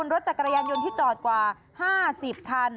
รถจักรยานยนต์ที่จอดกว่า๕๐คัน